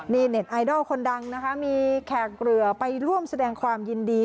นี่เน็ตไอดอลคนดังนะคะมีแขกเรือไปร่วมแสดงความยินดี